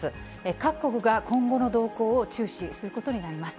各国が今後の動向を注視することになります。